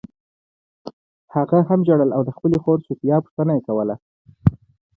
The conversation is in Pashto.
هغه هم ژړل او د خپلې خور سوفیا پوښتنه یې کوله